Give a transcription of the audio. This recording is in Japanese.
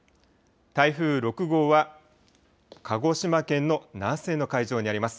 台風６号は鹿児島県の南西の海上にあります。